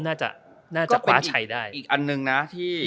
น่าจะว้าชัยได้